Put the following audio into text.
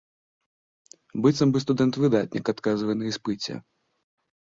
Быццам бы студэнт-выдатнік адказвае на іспыце.